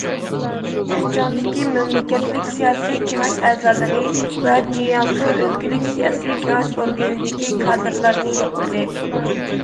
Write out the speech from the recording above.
نەنجىڭدىكى مەملىكەتلىك سىياسىي كېڭەش ئەزالىرى ۋە جياڭسۇ ئۆلكىلىك سىياسىي كېڭەش ئورگىنىدىكى كادىرلارنى يوقلىدى.